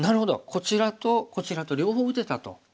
こちらとこちらと両方打てたと。